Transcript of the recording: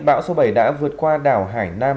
bão số bảy đã vượt qua đảo hải nam